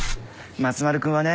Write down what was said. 松丸君はね